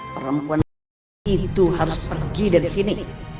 perempuan itu harus pergi dari sini